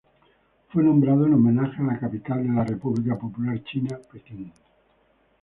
Fue nombrado en homenaje a la capital de la República Popular China Pekín.